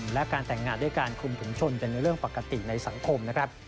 และการแต่งงานด้วยการคุมถุงชนเป็นเรื่องปกติในสังคมนะครับ